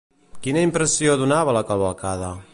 Quina impressió donava la cavalcada?